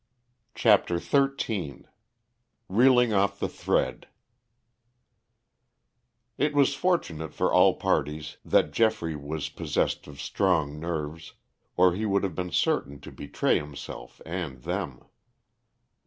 CHAPTER XIII REELING OFF THE THREAD It was fortunate for all parties that Geoffrey was possessed of strong nerves, or he would have been certain to betray himself and them.